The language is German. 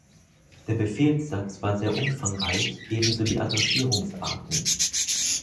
Der Befehlssatz war sehr umfangreich, ebenso die Adressierungsarten.